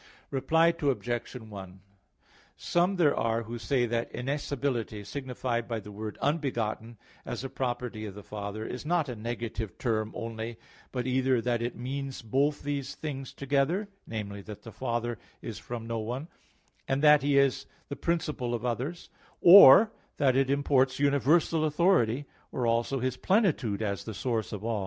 Reply Obj. 1: Some there are who say that innascibility, signified by the word "unbegotten," as a property of the Father, is not a negative term only, but either that it means both these things together namely, that the Father is from no one, and that He is the principle of others; or that it imports universal authority, or also His plenitude as the source of all.